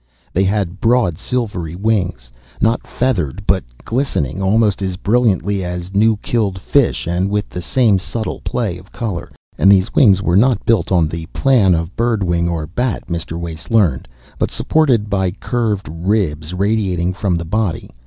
They had broad, silvery wings, not feathered, but glistening almost as brilliantly as new killed fish and with the same subtle play of colour, and these wings were not built on the plan of bird wing or bat, Mr. Wace learned, but supported by curved ribs radiating from the body.